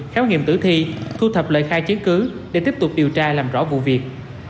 khám nghiệm tử thi thu thập lời khai chiến cứ để tiếp tục điều tra làm rõ vụ việc